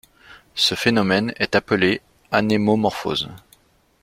Ce phénomène est appelé anémomorphose.